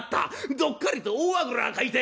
どっかりと大あぐらかいて。